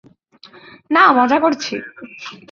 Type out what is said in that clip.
না, মজা করছি।